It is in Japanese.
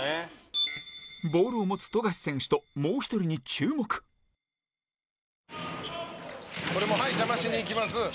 ボールを持つ富樫選手ともう１人に注目澤部：これもはい、邪魔しに行きます。